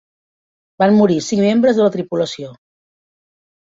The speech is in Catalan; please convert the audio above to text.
Van morir cinc membres de la tripulació.